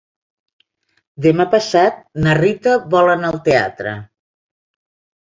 Demà passat na Rita vol anar al teatre.